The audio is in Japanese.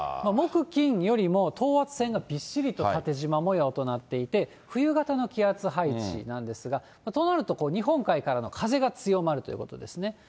木、金よりも、等圧線がびっしりと縦じま模様になっていて、冬型の気圧配置なんですが、となると、日本海からの風が強まるということなんですね。